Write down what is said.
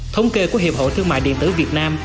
thống kê của hiệp hội thương mại điện tử việt nam